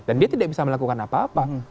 dan dia tidak bisa melakukan apa apa